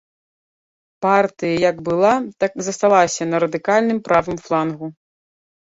Партыя як была, так і засталася на радыкальным правым флангу.